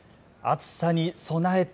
暑さに備えて。